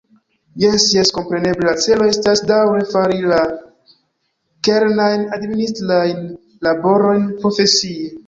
Jes, jes, kompreneble la celo estas daŭre fari la kernajn administrajn laborojn profesie.